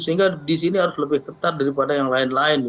sehingga disini harus lebih ketat daripada yang lain lain